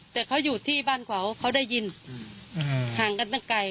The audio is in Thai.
แต่เขาอยู่ที่บ้านเขาเขาได้ยินห่างกันตั้งไกล